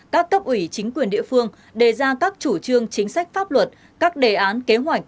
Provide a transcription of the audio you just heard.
các cấp ủy chính quyền địa phương đề ra các chủ trương chính sách pháp luật các đề án kế hoạch